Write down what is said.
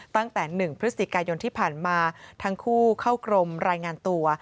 ตั้งแต่๑พฤศจิกายนที่ผ่านมาทั้งคู่เข้ากรมรายงานตัว